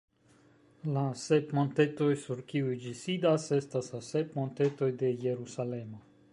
La sep montetoj sur kiuj ĝi sidas estas la sep montetoj de Jerusalemo.